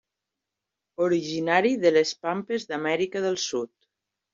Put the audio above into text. Originari de Les Pampes d'Amèrica del Sud.